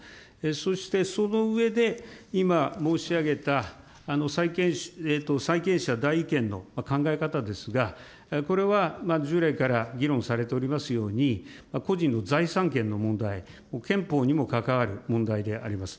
そして、その上で今、申し上げた債権者代位権の考え方ですが、これは従来から議論されておりますように、個人の財産権の問題、憲法にも関わる問題であります。